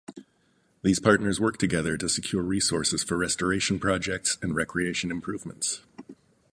These partners work together to secure resources for restoration projects and recreation improvements.